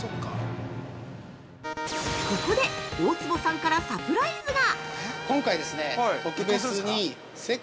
ここで、大坪さんからサプライズが！